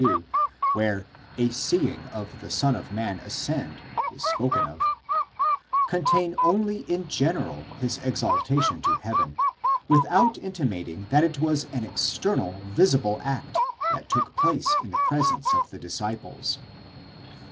62, where a SEEING the Son of Man ascend, θεωρεῖν ἀναβαίνοντα τὸν υἱὸν τοῦ ἀνθρώπου, is spoken of, contain only in general his exaltation to heaven, without inti mating that it was an external, visible fact, that took place in the presence of the disciples.